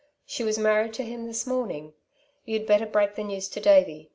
She was married to him this morning. You'd better break the news to Davey.